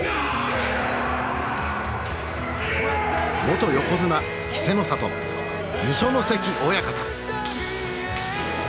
元横綱稀勢の里二所ノ関親方。